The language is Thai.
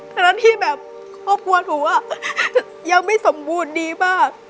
ทั้งนั้นที่แบบครอบครัวหนูยังไม่สมบูรณ์ดีมาก